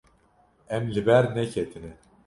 Em li ber neketine.